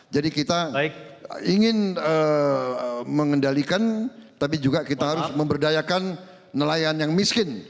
jadi kita ingin mengendalikan tapi juga kita harus memberdayakan nelayan yang miskin